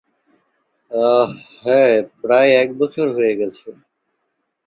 আহ, হ্যাঁ, প্রায় এক বছর হয়ে গেছে।